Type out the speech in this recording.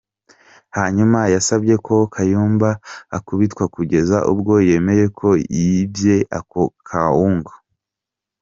Hanyuma yasabye ko Kayumba akubitwa kugeza ubwo yemeye ko yibye ako Kawunga.